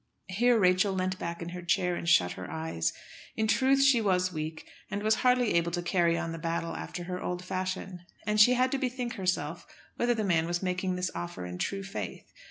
Here Rachel leant back in her chair, and shut her eyes. In truth she was weak, and was hardly able to carry on the battle after her old fashion. And she had to bethink herself whether the man was making this offer in true faith.